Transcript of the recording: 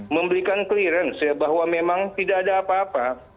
memberikan clearance ya bahwa memang tidak ada apa apa